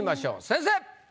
先生！